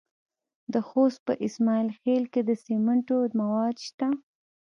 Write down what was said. د خوست په اسماعیل خیل کې د سمنټو مواد شته.